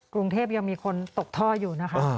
กรุงเทพยังมีคนตกท่ออยู่นะคะ